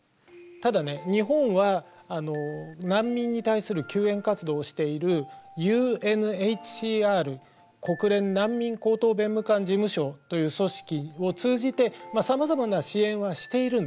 ただね日本は難民に対する救援活動をしているＵＮＨＣＲ国連難民高等弁務官事務所という組織を通じてさまざまな支援はしているんですね。